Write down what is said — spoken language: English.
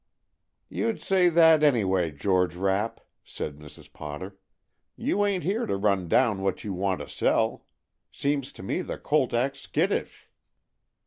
"You'd say that anyway, George Rapp," said Mrs. Potter. "You ain't here to run down what you want to sell. Seems to me the colt acts skittish."